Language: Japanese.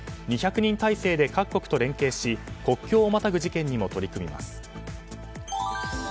２００人体制で各国と連携し国境をまたぐ事件にも取り組みます。